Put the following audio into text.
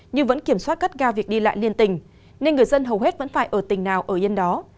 nhưng vẫn kiểm soát cắt ga việc đi lại liên tình nên người dân hầu hết vẫn phải ở tỉnh nào ở yên đó